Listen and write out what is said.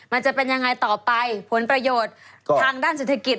มันจะเป็นยังไงต่อไปผลประโยชน์ทางด้านเศรษฐกิจ